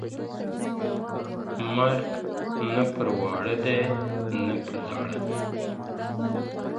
o مرگ نه پر واړه دئ، نه پر زاړه!